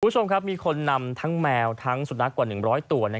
คุณผู้ชมครับมีคนนำทั้งแมวทั้งสุนัขกว่า๑๐๐ตัว